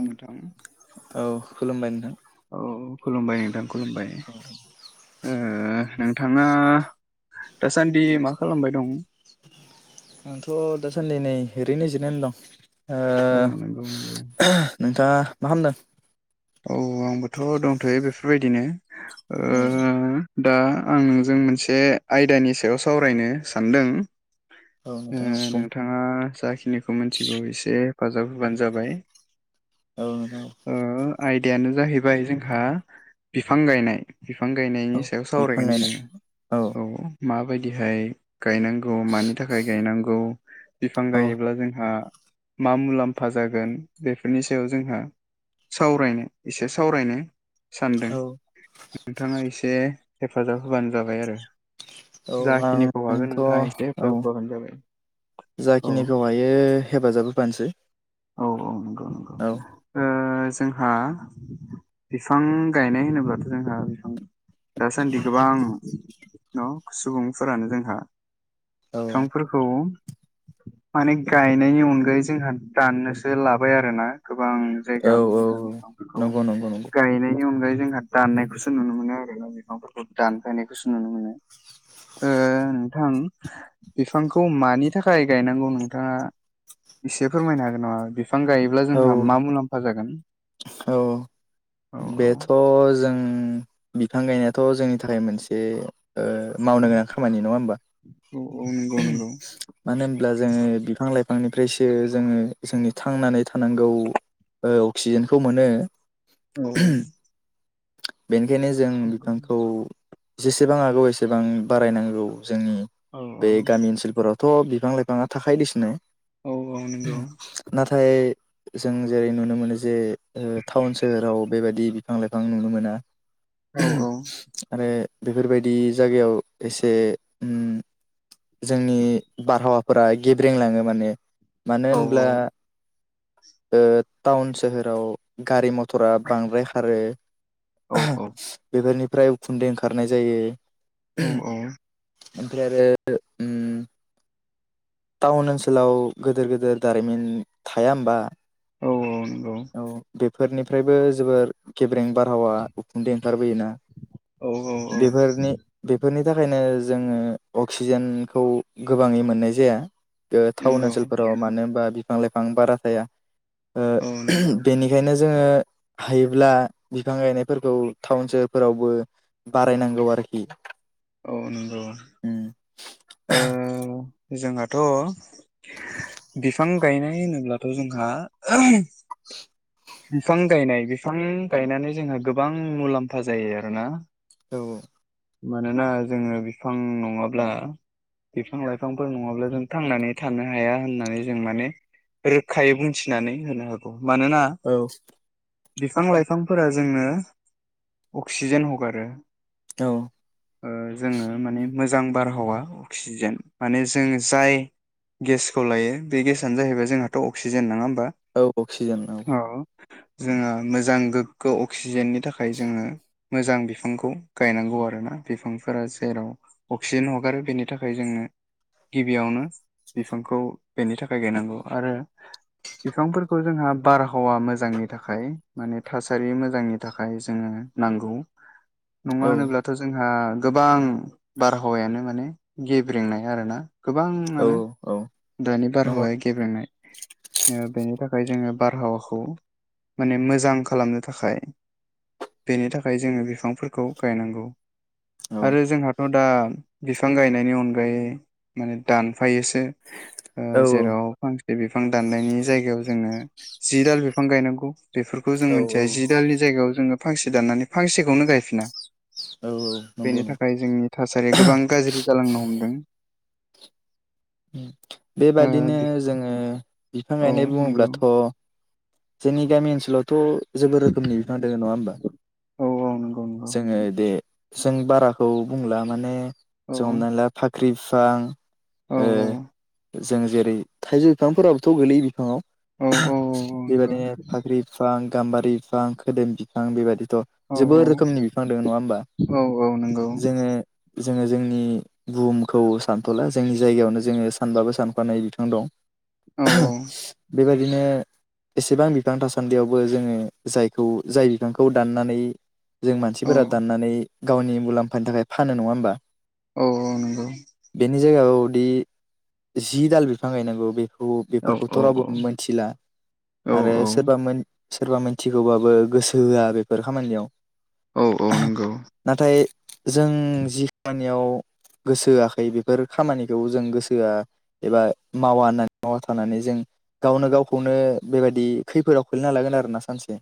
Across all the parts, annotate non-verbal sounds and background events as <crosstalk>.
थांथां। औ खुलुमबाय नोंथां औ खुलुमबाय नोंथां खुलुमबाय ओ नों नोंथाङा दासान्दि मा खालामबाय दं? आंथ' दासान्दि नै ओरैनो जिरायनानै दं। औ नोंगौ नोंगौ। नोंथांआ मा खालामदों? औ आंबोथ' दंथ'यो बेफोरबायदिनो औ ओ दा आं नोंजों मोनसे आयदानि सायाव सावरायनो सानदों औ ओ नोंथां औ बुं नोंथाङा जाखिनिखौ मिथिगौ एसे हेफाजाब होबानो जाबाय। औ नोंथां ओ आयदायानो जाहैबाय जोंहा बिफां गायनाय। बिफां औ गायनायनि सायाव बिफां सावरायगोन गायनाय जोङो औ माबायदिहाय गायनांगौ मानि थाखाय गायनांगौ बिफां औ गायोब्ला जोंहा मा मुलाम्फा जागोन बेफोरनि सायाव जोंहा? सावरायनो एसे सावरायनो सानदों औ नोंथाङा एसे हेफाजाब होबानो जाबाय आरो औ जाखिनिखौ हागोन आंथ' नोंथाङा एसे औ हेफाजाब होफाबानो जाबाय औ जाखिनिखौ हायो हेफाजाब होफानोसै औ औ नगौ औ। ओ जोंहा बिफां गायनाय होनोब्लाथ' जोंहा बिफां दासान्दि गोबां न' सुबुंफोरानो जोंहा औ बिफांफोरखौ माने गायनायनि अनगायै जोंहा दाननोसो लाबाय आरोना गोबां औ जायगायावनो औ जोंना बिफांफोरखौ नंगौ नंगौ नंगौ गायनाय बेनि अनगायै जोंहा दाननायखौसो नुनो मोनो आरोना बिफांफोरखौ दानफायनायखौसो नुनो मोनो। ओ नोंथां बिफांखौ मानि थाखाय गायनांगौ नोंथाङा एसे फोरमायनो हागोन नामा बिफां गायोब्ला औ जोंहा मा मुलाम्फा जागोन? औ औ औ बेथ' जों बिफां गायनायाथ' जोंनि थाखाय मोनसे ओ मावनो गोनां खामानि नङा होमबा? औ नंगौ नंगौ मानो होनब्ला जोङो बिफां लाइफां बिफांनिफ्रायसो जोङो जोंनि थांनानै थानांगौ अक्सिजेनखौ मोनो। <unintelligible> बेनिखायनो जों नंगौ बिफांखौ जेसेबां हागौ एसेबां बारायनांगौ। जोंनि औ औ बे गामि ओनसोलफोरावथ' बिफां लाइफाङा थाखदिसिनै औ-औ नंगौ। जों जेरै नुनो मोनो जे टाउन सोहोराव बेबायदि बिफां लाइफां नुनो मोना। औ आरो बेफोरबायदि जायगायाव एसे उम जोंनि बारहावाफोरा गेब्रेंलाङो माने मानो औ होनब्ला ओ टाउन सोहोराव गारि मथर टरा बांद्राय खारो औ बेफोरनि फ्राय उखुन्दै ओंखारनाय जायो। औ-औ ओमफ्राय आरो ओम टाउन ओनसोलाव गिदेर गोदेर दारिमिन थाया होमबा? औ औ नंगौ। औ बेफोरनिफ्रायबो जोबोर गे ब्रें बारहावा उखुन्दै ओंखारबोयोना औ औ औ बेफोरनि बेफोरनि थाखायनो जोङो अक्सिजेनखौ गोबाङै मोननाय जाया। ओ टाउन नंगौ ओनसोलफोराव मानो होनबा बिफां लाइफां बारा थाया। ओ औ नंगौ बेनिखायनो जोङो हायोब्ला बिफां गायनायफोरखौ टाउन सोहोरफोरावबो बारायनांगौ आरोखि। औ नंगौ। उम ओ जोंहाथ' बिफां गायनाय होनोब्लाथ' जोंहा <unintelligible> बिफां गायनाय बिफां गायनानै जोंहा गोबां मुलाम्फा जायो आरोना। औ औ। मानोना जोङो बिफां नङाब्ला बिफां लाइफांफोर नङाब्ला जों थांनानै थानो हाया होननानै जों माने रोखायै बुंथिनानै होनो हागौ मानोना औ बिफां लाइफांफोरा जोंनो अक्सिजेन हगारो। औ ओ जोङो माने मोजां बारहावा अक्सिजेन माने जों जाय गेसखौ लायो बे गेसआ जाहैबाय जोंहाथ' अक्सिजेन नङा होन बा औ अक्सिजेन औ। जोङो मोजां गोग्गो अक्सिजेननि थाखाय जोङो मोजां बिफांखौ गायनांगौ आरो ना बिफांफोरा जेराव अक्सिजेन हगारो बेनि थाखाय जोङो गिबियावनो बिफांखौ बेनि थाखाय गायनांगौ आरो बिफांफोरखौ जोंहा बारहावा मोजांनि थाखाय माने थासारि मोजांनि थाखाय जोङो नांगौ नङा औ होनोब्लाथ' जोंहा गोबां बारहावायानो माने गेब्रेंनाय आर ना औ गोबाङानो औ दानि नंगौ बारहावहाय गेबेनाय बेनि थाखाय जोङो बारहावाखौ माने मोजां खालामनो थाखाय बेनि थाखाय जोङो बिफांफोरखौ गायनांगौ। औ आरो जोंहाथ' दा बिफां गायनायनि अनगायै माने दानफायोसो। औ जेराव फांसे बे बिफां दाननायनि जायगायाव जोंनो जि दाल बिफां गायनांगौ। बेफोरखौ जों औ मिथिया जि दालनि जायगायाव जोङो फांसे दाननानै फांसेखौनो गायफिना। औ नंगौ बेनि थाखाय जोंनि थासारिया गोबां गाज्रि जालांनो हमदों। ओ बेबादिनो दे जोङो बिफां औ गायनाय नंगौ बुङोब्लाथ' जोंनि गामि ओनसोलावथ' जेबो रोखोमनि बिफां दङ नङा होमबा औ औ नंगौ नंगौ जोङो दे जों बाराखौ बुंला माने औ जों हमनानै ला फाख्रि बिफां औ ओ जों जेरै थाइजौ बिफांफोराबोथ' गोलैय बिफाङाव औ औ औ नंगौ बेबायदिनो फाख्रि बिफां गाम्बारि बिफां खोदोम बिफां बेबायदि थ' औ जोबोर औ रोखोमनि बिफां दं नङा होमबा औ औ नंगौ जोङो जोङो जोंनि बुहुमखौ सानथ'ला जोंनि जायगायावनो जोङो सानबाबो सानखनो हायि बिफां दं औ बेबायदिनो एसेबां बिफां थासान्दियावबो जोङो जायखौ जाय बिफांखौ दाननानै जों औ मानसिफोरा दाननानै गावनि मुलाम्फानि थाखाय फानो नङा होमबा। औ औ नंगौ नि जायगायावदि जि दाल बिफां गायनांगौ बे खौ औ औ बेफोरखौथ' रावबो मोनथिला औ आरो सोरबा मोन सोरबा मिथिगौबाबो गोसो होआ बेफोर खामानियाव। औ औ नोंगौ। नाथाय जों जि खामानियाव गोसो होआखै बेफोर खामानि खौ जों गोसोआ एबा मावा होननानै मावा थानानै जों गावनो गावखौनो बेबाय दि खैफोदाव खोलैना लागोन आरोना सानसे।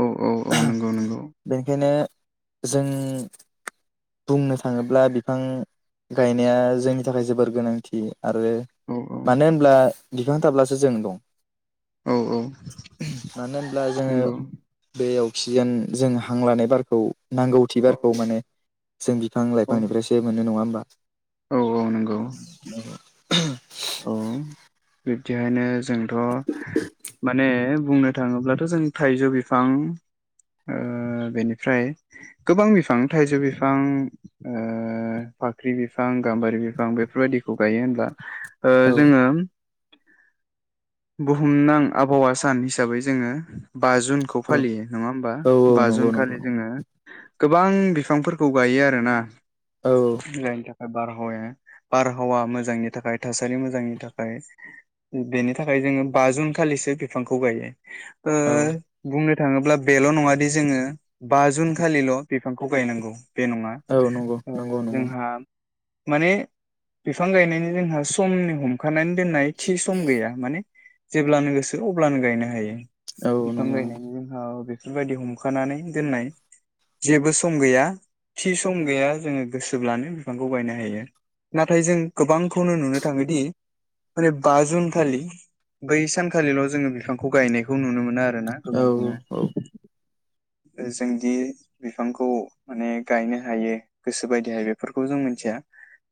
औ औ औ नंगौ नंगौ। बेनिखायनो जों बुंनो थाङोब्ला बिफां गायनाया जोंनि थाखाय जोबोर गोनांथि आरो औ औ औ औ नंगौ मानो होनब्ला बिफां थाब्लासो जों दं। औ मानो होनब्ला जोङो बेयाव अक्सिजेन जों हां लानाय बारखौ नांगौथिबारखौ माने जों बिफां लाइफांनिफ्रायसो मोनो नङा होमबा? औ औ नंगौ। <inaudible> औ बिब्दिहायनो जोंथ' माने बुंनो थाङोब्लाथ' जों थाइजौ बिफां ओ बेनिफ्राय गोबां बिफां थाइजौ बिफां ओ फाख्रि बिफां गाम्बारि बिफां बेफोरबायदिखौ गायो होनब्ला। ओ औ जोङो बुहुमनां आबहावा सान हिसाबै जोङो बा जुनखौ औ फालियो नङा होमबा? औ बा औ नंगौ जुन नंगौ खालि जोङो गोबां बिफांफोरखौ गायो आरोना। औ जायनि थाखाय बारहावाया बारहावा मोजांनि थाखाय थासारि मोजांनि थाखाय बेनि थाखाय जोंङो बा जुन खालिसो बिफांखौ गायो ओ औ बुंनो थाङोब्ला बेल' नङा बे जोङो बा जुन खालिल' बिफांखौ गायनांगौ। बे नङा। औ नंगौ ओ नंगौ नंगौ जोंहा माने बिफां गायनायनि जोंहा समनि हमखानानै दोननाय थि सम गैया माने जेब्लानो गोसो अब्लानो गायनो हायो। औ बिफां नंगौ गायनायनि नंगौ जोंहा बेफोरबायदि हमखानानै दोननाय जेबो सम गैया थि सम गैया जोङो गोसोब्लानो बिफांखौ गायनो हायो। नाथाय जों गोबांखौनो नुनो थाङोदि माने बा जुनखालि बै सानखालिल' जोङो बिफांखौ गायनायखौ नुनो मोनो आरो ना औ गोबांखौनो। जोंदि बिफांखौ माने गायनो हायो गोसो बायदि हायो बेफोरखौ जों मिथिया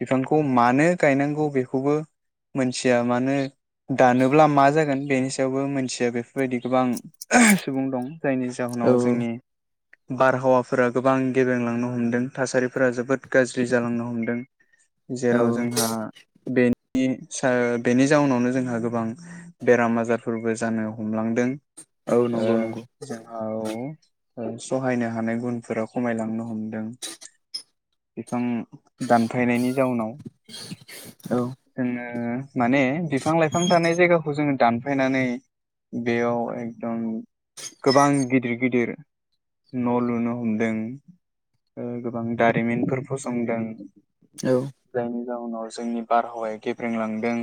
बिफांखौ मानो गायनांगौ बेखौबो मोनथिया मानो दानोब्ला मा जागोन बेनि सायावबो मोनथिया बेफोरबायदि गोबां सुबुं दं। जायनि जाहोनाव औ जोंनि बारहावाफोरा गोबां गेबेंलांनो हमदों थासारिफोरा जोबोद गाज्रि जालांनो हमदों औ जेराव जोंहा बेनि सा बेनि जाउनावनो जोंहा गोबां बेराम आजारफोरबो जानो हमलांदों। औ ओ नंगौ नंगौ जोंहा औ। सहायनो हानाय गुनफोरा खमायलांनो हमदों। बिफां दानफायनायनि जाउनाव औ जोङो उम माने बिफां लाइफां थानाय जायगाखौ जोङो दानफायनानै बेयाव एकदम गोबां गिदिर गिदिर न' लुनो हमदों। ओ गोबां दारिमिनफोर फसंदों। औ। जायनि जाउनाव जोंनि बारहावाया गेब्रेंलांदों।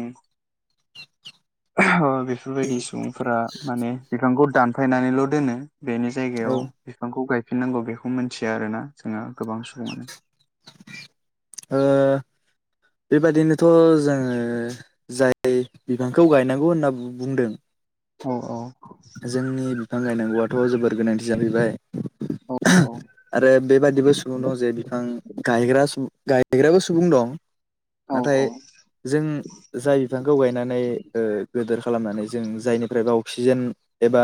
ओहो बेफोरबायदि सुबुंफोरा माने बिफांखौ दानफायनानैल' दोनो बेनि औ ओ जायगायाव बिफांखौ गायफिननांगौ बेखौ मिथिया आरोना जोङो। गोबां सबुंआनो बेबादिनोथ' जोङो जाय बिफांखौ गायनांगौ होनना बु-बुंदों औ औ जोंनि बिफां गायनांगौआथ' जोबोर गोनांथि जाफैबाय औ आरो बेबादिबो सुबुं दङ जे बिफां गायग्रा सुबुं गायग्राबो सुबुं दं नाथाय जों जाय बिफांखौ गायनानै ओ गोेदोर खालामनानै जों जायनिफ्रायबा अक्सिजेन एबा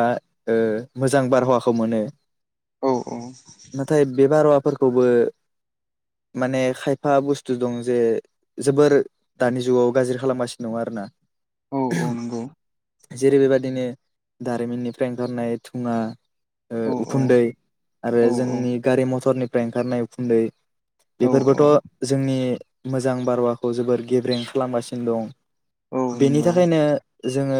ओ मोजां बारहावाखौ मोनो नाथाय बे बारवाफोरखौबो माने खायफा बुस्थु दं जे जोबोर दानि जुगाव गाज्रि खालामगासिनो दं आरो ना औ औ नंगौ जेरै बेबायादिनो दारिमिननिफ्राय ओंखारनाय दुङा ओ औ औ उखुन्दै आरो औ जोंनि गारि मथरनिफ्राय ओंखारनाय उखुन्दै औ बेफोरबोथ' जोंनि मोजां बाराखौ जोबोर गेब्रें खालामगासिनो दं औ बेनि नंगौ थाखायनो जोङो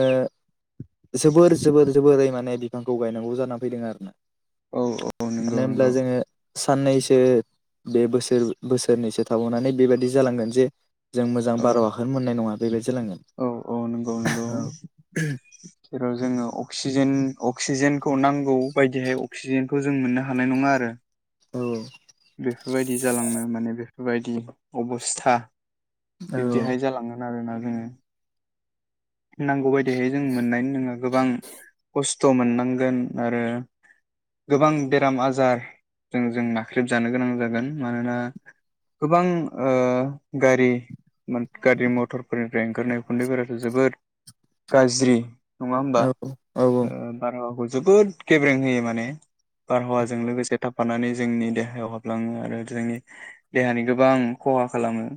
जोबोर बोरै माने बिफांखौ गायनांगौ जानानै फैदों आरो ना औ औ मानो नंगौ होनब्ला नंगौ जोङो साननैसो बे बोसोर बोसोरनैसो थाबावनानै बेबायादि जालांगोन जे जों मोजां औ बारहावाखोनो मोननाय नङा बेबायदि जालांगोन अ नगौ नगौ जेराव जोङो अक्सिजेन अक्सिजेनखौ नांगौ बायदिहाय अक्सिजेनखौ जों मोननो हानाय नङा आरो औ बेफोरबायदि जालांनो माने बेफोरबायदि अबस्था बिब्दिहाय जाालांगोन आरोना जोङो नांगौ बायदिहाय जों मोननाय नङा गोबां खस्थ' मोननांगोन आरो गोबां बेराम आजारजों जों नाख्रेबजानो गोनां जागोन मानोना गोबां ओ गारि गारि मथरफोरनिफ्राय ओंखारनाय उखुन्दैफोराथ' जोबोद गाज्रि नङा होमबा औ ओ बारहावाखौ जोबोद गेब्रें होयो माने बारहावाजों लोगोसे थाफानानै जोंनि देहायाव हाबलाङो आरो जोंनि देहानि गोबां खहा खालामो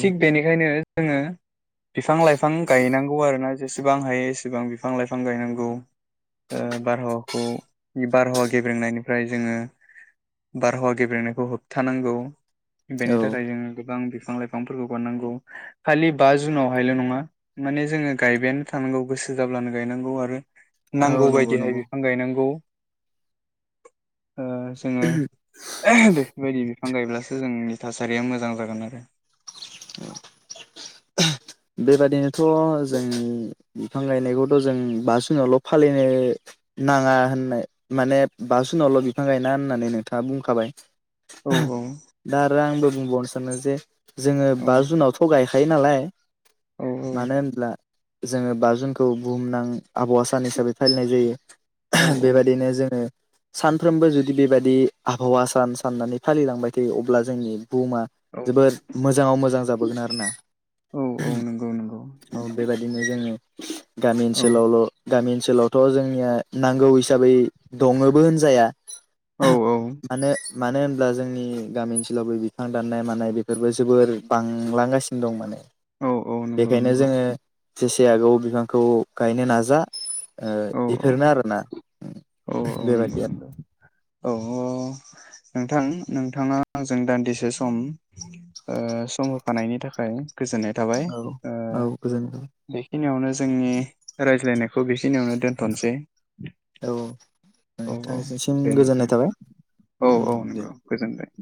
औ थिग बेनिखायनो जोङो बिफां लाइफां गायनांगौ आरो ना जेसेबां हायो एसेबां बिफां लाइफां गायनांगौ ओ बारहावाखौ बारहावा गेब्रेंनायनिफ्राय जोङो बारहावा गेब्रेनायखौ होबथानांगौ बेनि औ थाखाय जोङो गोबां बिफां लाइफांफोरखौ गारनांगौ खालि बा जुनावहायल' नङा माने जोङो गायबायानो थानांगौ गोसो जाब्लानो गायनांगौ आरो औ नांगौ नंगौ बायदिहाय नंगौ बिफां गायनांगौ जोङो ओ बेफोरबायदि बिफां गायब्लासो जोंनि थासारिया मोजां जागोन आरो औ बेबादिनोथ' जों बिफां गायनायखौथ' जों बा जुनावल' फालिनो नाङा होननाय माने बा जुनावल' बिफां गायना होननानै नोंथाङा बुंखाबाय औ औ दा आरो आंबो बुंबावनो सानदों जे जोङो बा जुनाव थ' गाय थायो नालाय औ मानो होनब्ला जोङो बा जुनखौ बुहुमनां आबहावा सान हिसाबै फालिनाय जायो औ बेबायदिनो जोङो सानफ्रोमबो जुदि बेबायाददि आबहावा सान साननानै फालिलांबाय थायो अब्ला जोंनि बुहुमा औ जोबोद मोजाङाव मोजां जाबोगोन आरो ना औ औ नंगौ नंगौ औ बेबायदिनो जोङो गामि औ ओनसोलावल' गामि ओनसोलावथ' जोंनिया नांगौ हिसाबै दङबो होनजाया औ <unintelligible> औ माने मानो होनब्ला जोंनि गामि ओनसोलावबो बिफां दाननाय मानाय बेफोरबो जोबोर बांलांगासिनो दं माने औ औ नंगौ बेखायनो नंगौ जोङो जेसे हागौ बिफांखौ गायनो नाजा। ओ बेफोरनो आरोना अ अ बेबायदि <unintelligible> नोंथां नोंथाङा आंजों दान्दिसे सम ओ सम होफानायनि थाखाय गोजोननाय थाबाय आरो ओ औ गोजोनथों बेखिनियावनो जोंनि रायज्लायनाय खौ बेखिनियावनो दोनथ'नोसै औ औ औ नोंथांनिसिम दे गोजोननाय नोंथां थाबाय औ उम औ दे नंगौ गोजोनबाय <inaudible>